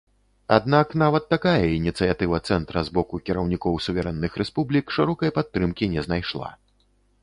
Аднак нават такая ініцыятыва цэнтра з боку кіраўнікоў суверэнных рэспублік шырокай падтрымкі не знайшла.